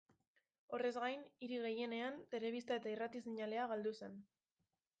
Horrez gain, hiri gehienean telebista eta irrati seinalea galdu zen.